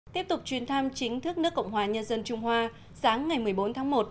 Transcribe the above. tiếp tục chuyến thăm chính thức nước cộng hòa nhân dân trung hoa sáng ngày một mươi bốn tháng một